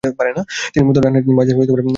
তিনি মূলতঃ ডানহাতি মাঝারীসারির ব্যাটসম্যান ছিলেন।